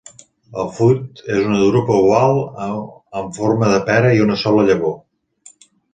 El fruit és una drupa oval o amb forma de pera i una sola llavor.